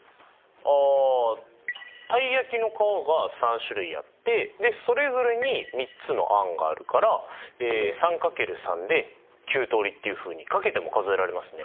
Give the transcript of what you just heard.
ああたい焼きの皮が３種類あってそれぞれに３つの餡があるからっていうふうにかけても数えられますね。